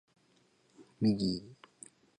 ミギー